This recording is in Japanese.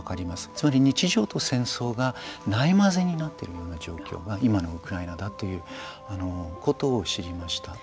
つまり日常と戦争がないまぜになっている状況が今のウクライナだということを知りました。